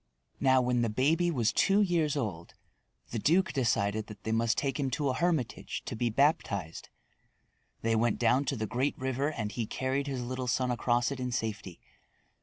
Now when the baby was two years old, the duke decided that they must take him to a hermitage to be baptized. They went down to the great river and he carried his little son across it in safety.